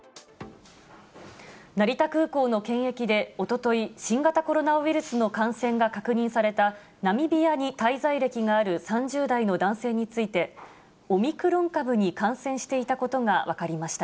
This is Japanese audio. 成田空港の検疫でおととい、新型コロナウイルスの感染が確認された、ナミビアに滞在歴がある３０代の男性について、オミクロン株に感染していたことが分かりました。